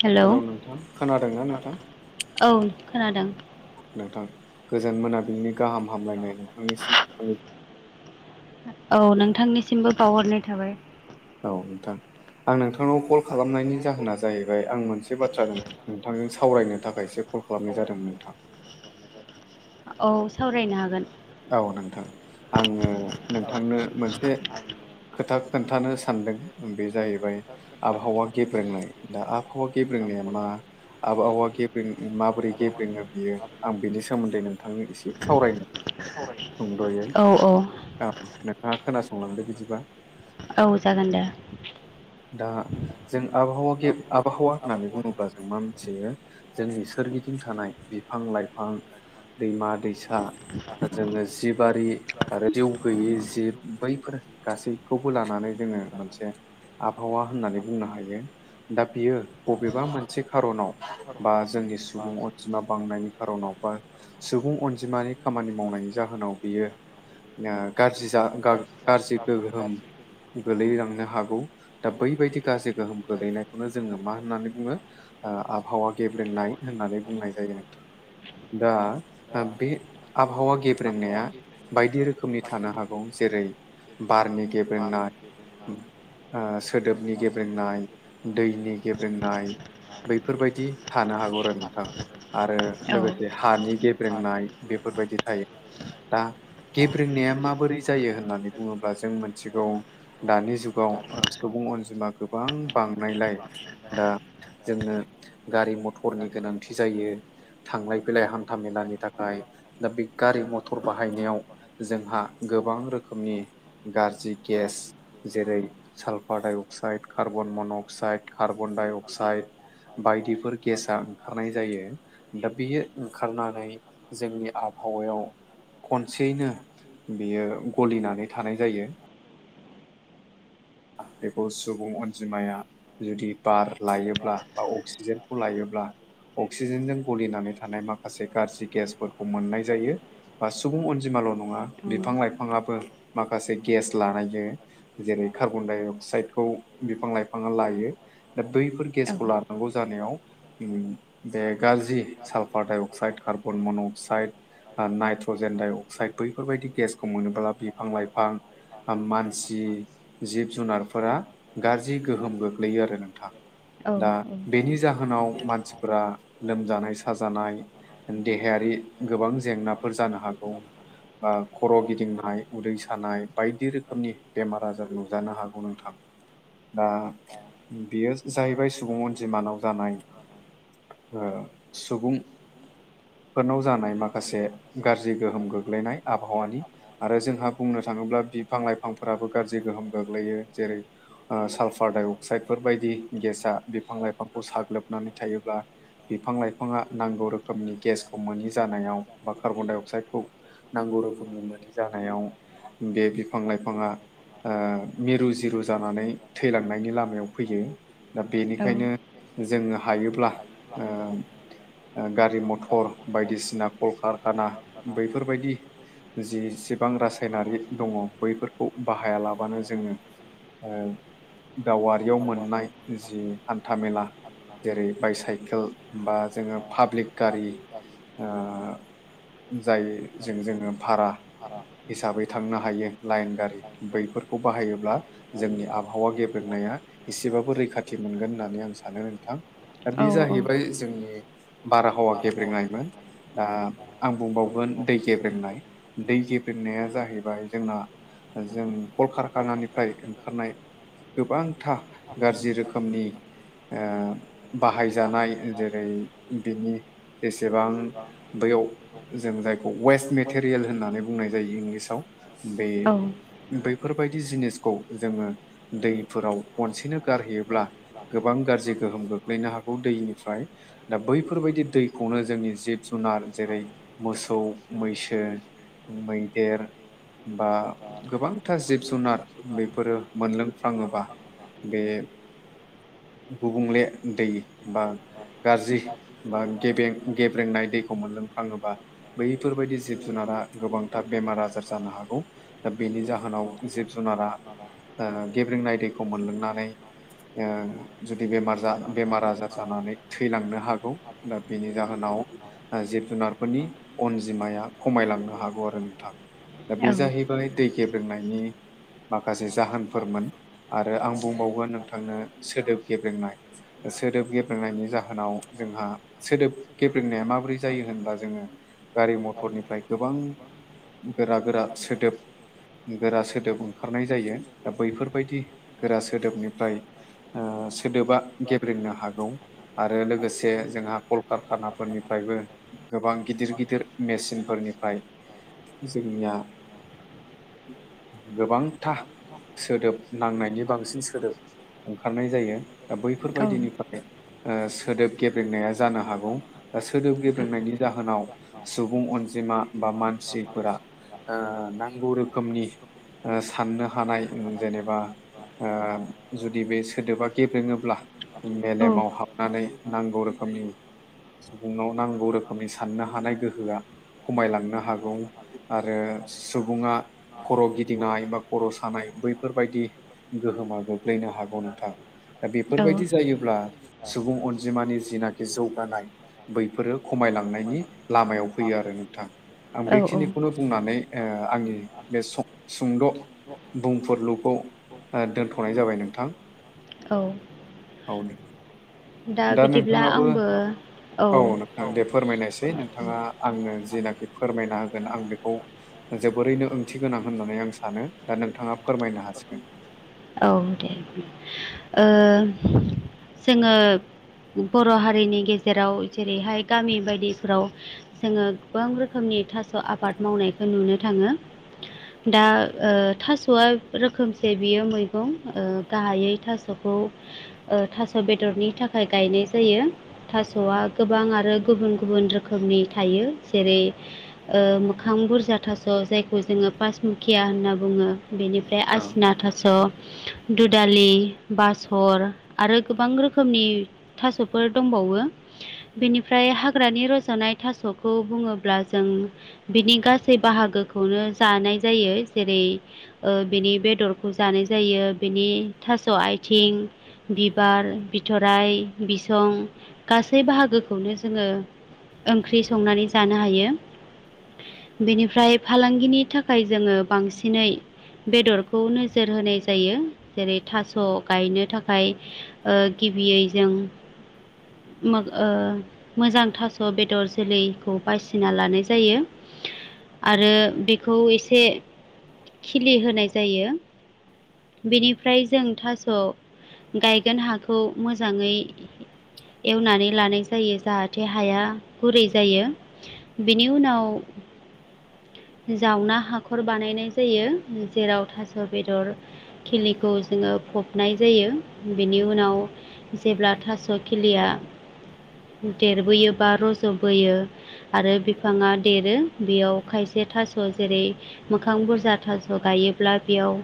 Hello हेल‌ नोंथां खोनादोंना नोंथां? औ खोनादों। नोंथां गोजोन मोनाबिलिनि गाहाम हामलायनाय नोंथांनिसिम आंनि औ नोंथांनिसिमबो बावहरनाय थाबाय। औ नोंथां आं नोंथांनाव कल खालामनायनि जाहोना जाहैबाय आं मोनसे बाथ्रा बुं नोंथांजों सावरायनो थाखायसो कल खालामनाय जादोंमोन नोंथां। औ सावरायनो हागोन। औ नोंथां आङो नोंथांनो मोनसे खोथा खोन्थानो सानदों बे जाहैबाय आबहावा गेब्रेंनाय दा आबहावा गेब्रेंनाया मा? आबहावा गेब्रें ओ माबोरै गेब्रेेंङो बियो आं बेनि सोमोन्दै नोंथांनो एसे सावरायनो। सुंद'यै औ औ दा नोंथाङा खोनासंलांदो बिदिबा औ जागोन दे दा जों आबहावा गे आबहावा होननानै बुङोब्ला जों मा मिथियो जोंनि सोरगिदिं थानाय बिफां लाइफां दैमा दैसा जोङो जि बारि आरो जिउ गैयि जिब बैफोर गासैखौबो लानानै जोङो मोनसे आबहावा होननानै बुंनो हायो दा बियो बबेबा मोनसे खारनाव बा जोंनि सुबुं अनजिमा बांनायनि खारनाव बा सुबुं अनजिमानि खामानि मावनायनि जाहोनाव बियो ओ गारजि जा गा गारजि गोहोम गोलैलांनो हागौ दा बैबायदि गाज्रि गोहोम गोलैनायखौनो जोङो मा होननानै बुङो ओ आबहावा गेब्रेंनाय होननानै बुंनाय जायो नोंथां। दा बे आबहावा गेब्रेंनाया बायदि रोखोमनि थानो हागौ जेरै बारनि गे बारनि गेब्रेंनाय होननानै ओ सोदोबनि गेब्रेंनाय, दैनि गेब्रेंनाय बैफोर बायदि थानो हागौ आरो नोंथां। आरो लोगोसे हानि गेब्रेंनाय बेफोरबायदि थायो दा गेब्रेंनाया माबोरै जायो होननानै बुङोब्ला जों मोनथिगौ दानि जुगाव ओ सुबुं अनजिमा गोबां बांनायलाय दा जोंनो गारि मथरनि गोनांथि जायो थांलाय फैलाय हान्था मेलानि थाखाय दा बे गारि मथर बाहायनायाव जोंहा गोबां रोखोमनि गाज्रि गेस जेरै सालफारडाइ अक्साइड कार्बन मन' अक्साइड कार्बनडाइ अक्साइड बायदिफोर गेसा ओंखारनाय जायो दा बियो ओंखारनानै जोंनि आबहावायाव खनसेयैनो बियो गलिनानै थानाय जायो बेखौ सुबुं अनजिमाया जुदि बार लायोब्ला बा अक्सिजेनखौ लायोब्ला अक्सि सिजेनजों गलिनानै थानाय माखासे गाज्रि गेसफोरखौ मोननाय जायो बा सुबुं अनजिमाल' नङा बिफां लाइफाङाबो माखासे गेस लानायो जेरै कार्बन डाइ अक्साइदखौ बिफां लाइफाङा लायो दा बैफोर गेसखौ ला गौ जानायाव उम बे गाज्रि सालफारडाइ अक्साइड कार बन मन' अक्साइड नाइट्रजेन डाइ अक्साइद बैफोरबायदि गेसखौ मोनोब्ला बिफां लाइफां मानसि जिब जुनारफोरा गाज्रि गोहोम गोग्लैयो आरो नोंथां औ दा बेनि जाहोनाव मानसि फोरा लोमजानाय साजानाय देहायारि गोबां जेंनाफोर जानो हागौ बा खर' गिदिंनाय उदै सानाय बायदि रोखोमनि बेमार आजार नुजानो हागौ नोंथां दा बियो जाहैबाय सुबुं अनजिमानाव जानाय ओ सुबुं फोरनाव जानाय माखासे गाज्रि गोहोम गोग्लैनाय आबहावानि आरो जोंहा बुंनो थाङोब्ला बिफां लाइफांफोराबो गाज्रि गोहोम गोग्लैयो जेरै ओ सालफार डाइ अक्साइदफोर बायदि गेसा बिफां लाइफांखौ साग्लोबनानै थायोब्ला बिफां लाइफाङा नांगौ रोखोमनि गेसखौ मोनि जानायाव बा कार्बनडाइ अक्साइडखौ नांगौ रोखोमनि मोनि जानायाव बे बिफां लाइफाङा ओ मिरु जिरु जानानै थैलांनायनि लामायाव फैयो दा बेनिखायनो जोङो हायोब्ला ओ ओ गारि मथ अर बायदिसिना कलकारखाना बैफोरबायदि जेसेबां रासायनारि दङ बैफोरखौ बाहाया लाबानो जोङो ओ दावारियाव मोननाय जि हान्थामेला जेरै बायसाइकेल बा जोङो पाब्लिक गारि ओ जायजों जोङो भारा हिसाबै थांनो हायो लाइन गारि बैफोरखौ बाहायोब्ला जोंनि आबहावा गेब्रेंनाया एसेबाबो रैखाथि मोनगोन होननानै आं सानो नोंथां। दा बे होननानै जाहैबाय जोंनि बारहावा गेब्रेनायमोन दा आं बुंबावगोन दै गेब्रेंनाय दै गेब्रेंनाया जाहैबाय जोंना जों कलकारखानानिफ्राय ओंखारनाय गोबांथा गाज्रि रोखोमनि ओ बाहायजानाय जेरै बिनि जेसेबां बैयाव जों जायखौ वेस्ट मेटेरियेल होननानै बुंनाय जायो इंलिसाव बे बैफोरबायदि जिनिसखौ जोङो दैफोराव खनसेनो गारहैयोब्ला गोबां गाज्रि गोहोम गोग्लैनो हागौ दैनिफ्राय दा बैफोरबायदि दै खौनो जोंनि जिब जुनार जेरै मोसौ मैसो मैदेर बा गोबांथार जिब जुनार बेफोरो मोलोंफ्राङोबा बे गुबुंले दै बा गाज्रि बा गेबें गेब्रेंनाय दैखौ मोनलोंफ्लाङोबा बैफोरबायदि जिब जुनारा गोबांथार बेमार आजार जानो हागौ। दा बेनि जाहोनाव जिब जुनारा गेब्रेंनाय दैखौ मोनलोंनानै ओ जुदि बेमार बेमार आजार जानानै थैलांनो हागौ। दा बेनि जाहोनाव जिब जुनारफोरनि अनजिमाया खमायलांनो हागौ आरो नोंथां दा बे जाहै दै गेब्रेंनायनि माखासे जाहोनफोरमोन आरो आं बुंबावगोन नोंथांनो सोदोब गेब्रेंनाय सोदोब गेब्रेंनायनि जाहोनाव जोंहा सोदोब गेब्रेंनाया माबोरै जायो होनबा जोङो गारि मथरनिफ्राय गोबां गोरा गोरा सोदोब गोरा सोदोब ओंखारनाय जायो दा बैफोरबायदि गोरा सोदोबनिफ्राय सोदोबा गेब्रेंनो हागौ आरो लोगोसे जोंहा कलकारखानाफोरनिफ्रायबो गोबां गिदिर गिदिर मेसिनफोरनिफाय जोंनिया गोबांथा सोदोब नांनायनि बांसिन सोदोब ओंखारनाय जायो दा बैफोरबायदिनिफ्राय ओ सोदोब गेब्रेंनाया जानो हागौ सोदोब गेब्रेंनायनि जाहोनाव सुबुं अनजिमा बा मानसिफोरा ओ नांगौ रोखोमनि साननो हानाय जेनेबा ओ जुदि बे सोदोबा गेब्रेङोब्ला मेलेमाव हाबनानै नांगौ रोखोमनि सुबुंनाव नांगौ रोखोमनि साननो हानाय गोहोआ खमायलांनो हागौ आरो सुबुङा खर' गिदिंनाय बा खर' सानाय बैफोरबायदि गोहोमा गोग्लैनो हागौ नोंथां। दा औ बेफोरबायदि जायोब्ला सुबुं अनजिमानि जिना जौगानाय बैफोरो खमायलांनायनि लामायाव फैयो आरो नोंथां आं फैयो आरो औ बेखिनिखौनो बुंनानै ओ आंनि बे ओ सुंद' बुंफोरलुखौ ओ दोनथ'नाय जाबाय नोंथां। औ औ दा बिदिब्ला नोंथाङाबो आंबो औ नोंथां दे फोरमायनोसै नोंथाङा आंनो जेनाखि फोरमायना होगोन आं बेखौ जोबोरैनो ओंथि गोनां होननानै आं सानो दा नोंथाङा फोरमायनो हासिगोन। औ दे ओ जोङो बर' हारिनि गेजेराव जेरैहाय गामि बायदिफ्राव जोङो गोबां रोखोमनि थास' आबाद मावनायखौ नुनो थाङो। दा ओ थास'आ रोखोमसे बियो मै खौ ओ गाहायै थास'खौ थास' बेदरनि थाखाय गायनाय जायो। थास'आ गोबां आरो गुबुन गुबुन रोखोमनि थायो जेरै ओ मोखां बुरजा थास' जायखौ जोङो बायेसमुखिया होनना बुङो बेनि ओमफाय औ आसिना थास' दुदालि बासर आरो गोबां रोखोमनि थास'फोर दंबावो। बेनिफ्राय हाग्रानि रज'नाय थास'खौ बुङोब्ला जों बिनि गासै बाहागोखौनो जानाय जायो। जेरै ओ बेनि बेदरखौ जानाय जायो बेनि थास' आयथिं बिबार, बिथ'राय, बिसं गासै बाहागोखौनो जोङो ओंख्रि संनानै जानो हायो। बेनिफ्राय फालांगिनि थाखाय जोङो बांसिनै बेदरखौ नोजोर होनाय जायो। जेरै थास' गायनो थाखाय ओ गिबियै जों मोग ओ मोजां थास' बेदर जोलैखौ बासिना लानाय जायो। आरो बेखौ एसे खिलि होनाय जायो। बेनिफ्राय जों थास' गायगोन हाखौ मोजाङै एवनानै लानाय जायो जाहाथे हाया गुरै जायो। बिनि उनाव जावना हाखर बानायनाय फोयो जेराव थास' बेदर खिलिखौ जोङो फबनाय जायो। बेनि उनाव जेब्ला थास' खिलिया देरबोयो बा रज'बोयो आरो बिफाङा देरो बेयाव खायसे थास' जेरै मोखां बुर जा थास' गायोब्ला बेयाव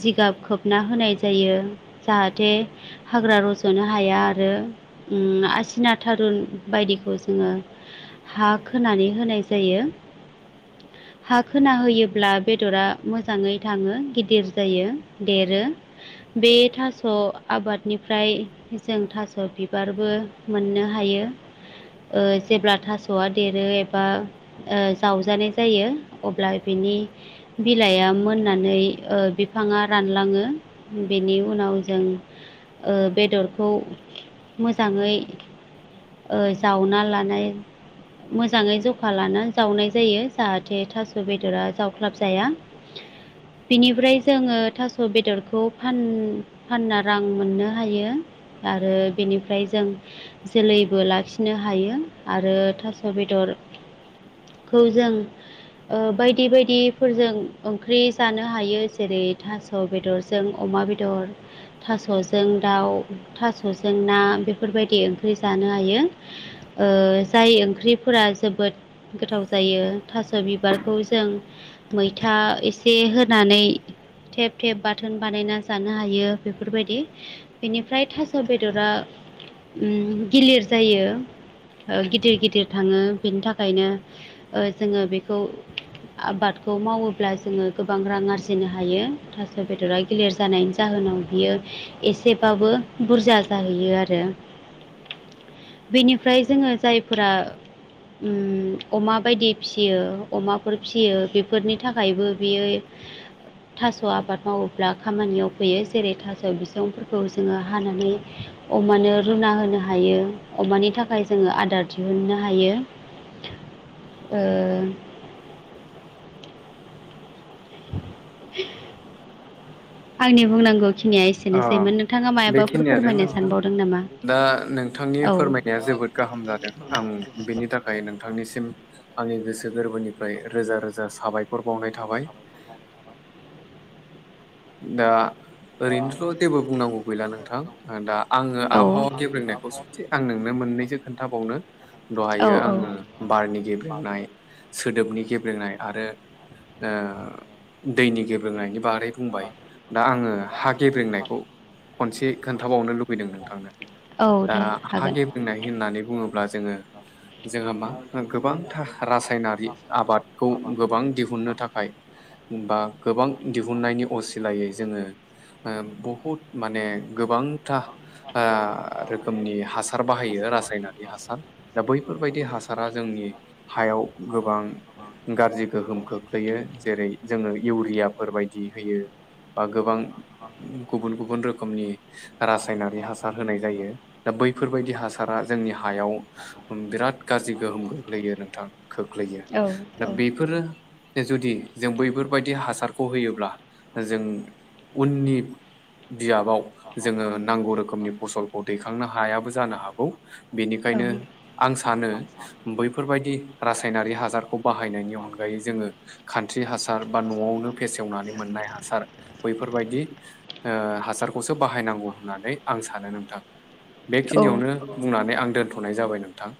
जिगाब खोबना होनाय जायो। जाहाथे हाग्रा रज'नो हाया आरो उम आसिना थारुन बायदिखौ जोङो हा खोनानै होनाय जायो। हा खोना होयोब्ला बे दरा मोजाङै थाङो गिदिर जायो देरो। बे थास' आबादनिफ्राय जों थास' बिबारबो मोननो हायो। ओ जेब्ला थास'आ देरो एबा ओ जावजानाय जायो अब्ला बिनि बिलाइआ मोननानै ओ बिफाङा रानलाङो बेनि उनाव जों ओ बेदरखौ मोजाङै ओ जावना लानाय मोजाङै जखा लानानै जावनाय जायो जाहाथे थास' बेदरा जावख्लाब जाया। बिनिफ्राय जोङो थास' बेदरखौ फान फानना रां मोननो हायो। आरो बेनिफ्राय जों जोलैबो लाखिनो हायो आरो थास' बेदर खौ जों ओ बायदि बायदि फोरजों ओंख्रि जानो हायो जेरै थास' बेदरजों अमा बेदर थास'जों दाउ थास'जों ना बेफोरबायदि ओंख्रि जानो हायो। ओ जाय ओंख्रिफोरा जोबोद गोथाव जायो थास' बिबारखौ जों मैथा एसे होनानै थेब-थेब बाथोन बानायना जानो हायो बेफोरबायदि बेनिफ्राय थास' बेदरा ओम गिलिर जायो। ओ गिदिर गिदिर थाङो बेनि थाखायनो ओ जोङो बेखौ आबाद खौ मावोब्ला जोङो गोबां रां आरजिनो हायो थास' बेदरा गिलिर जानायनि जाहोनाव बियो एसेबाबो बुरजा जाहैयो आरो। बेनिफ्राय जोङो जायफोरा उम अमा बायदि फियो अमाफोर फियो बे फोरनि थाखायबो बेयो थास' आबाद मावोब्ला खामानियाव फैयो जेरै थास' बिसंफोरखौ जोङो हानानै अमानो रुना होनो हायो अमानि थाखाय जोङो आदार दिहुननो हायो। ओ आंनि बुंनांगौ खिनिया एस अ एसेनोसैमोन नोंथाङा मायाबाफोर बेखिनियानो फोरमायनो नोंथां सानबावदों नामा दा नोंथांनि औ फोरमायनाया जोबोद गाहाम जादों आं बेनि थाखाय नोंथांनिसिम आंनि गोसो गोरबोनिफ्राय रोजा रोजा साबायखर बावनाय थाबाय दा ओरैनोथ' जेबो बुंनांगौ गैला नोंथां दा आङो औ आबहावा गेब्रेंनायखौ ससे आं नोंनो मोननैसो खोन्थाबावनो औ दहायो औ आङो बारनि गेब्रेंनाय सोदोबनि गेब्रेंनाय आरो ओ दैनि गेब्रेंनायनि बारै बुं दा आङो हा गेब्रेंनायखौ खनसे खोन्थाबावनो लुब फैदों नोंथांनो औ दा दे हागोन हागे ब्रेंनाय होननानै बुङोब्ला जोङो जोंहा मा गोबांथा रासायनारि आबादखौ गोबां दिहुनन्नो थाखाय बा गोबां दिहुननायनि असिलायै जोङो बहुद माने गोबां था ओ रोखोमनि हासार बाहायो रासायनारि हासार दा बै बैफोरबायदि हासारा जोंनि हायाव गोबां गाज्रि गोहोम खोख्लै लैयो जेरै जोङो इउरियाफोर बायदि होयो बा गोबां गुबुन गुबुन रोखोमनि रासायनारि हासार होनाय जायो दा बैफोरबायदि हासारा जोंनि हायाव बिराद गाज्रि गोहोम गोग्लैयो नोंथां खोख्लैयो औ दा बेफोरो जुदि जों बैफोरबायदि हासारखौ होयोब्ला जों उननि बियाबाव जोङो नांगौ रोखोमनि फसल दैखांनो हायाबो जानो हागौ औ बेनिखायनो आं सानो बैफोरबायाददि रासायनारि हासारखौ बाहायनायनि अनगायै जोङो खान्थ्रि हासार बा न'आवनो फेसेवनानै नाय हासार बैफोरबायदि ओ हासार खौसो बाहायनांगौ होननानै आं सानो नोंथां औ बेखिनियावनो बुंनानै आं दोन्थ'नाय जाबाय नोंथां